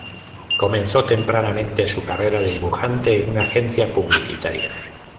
Comenzó tempranamente su carrera de dibujante en una agencia publicitaria.